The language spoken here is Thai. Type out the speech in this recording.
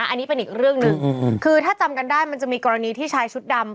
อันนี้เป็นอีกเรื่องหนึ่งคือถ้าจำกันได้มันจะมีกรณีที่ชายชุดดำ